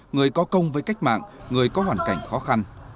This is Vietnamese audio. người có công với cách mạng người có hoàn cảnh khó khăn